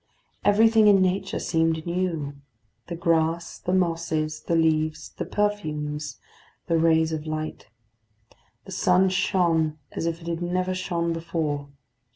Everything in nature seemed new the grass, the mosses, the leaves, the perfumes, the rays of light. The sun shone as if it had never shone before.